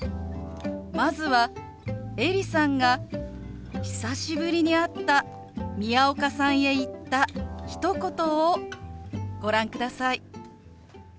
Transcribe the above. まずはエリさんが久しぶりに会った宮岡さんへ言ったひと言をご覧ください。